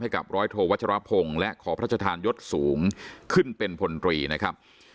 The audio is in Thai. กับร้อยโทวัชรพงศ์และขอพระชธานยศสูงขึ้นเป็นพลตรีนะครับ